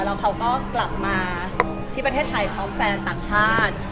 แล้วเขาก็กลับมาที่ประเทศไทยพร้อมแฟนต่างชาติ